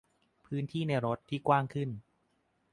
- พื้นที่ในรถที่กว้างขึ้น